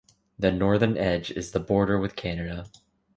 The northern edge is the border with Canada.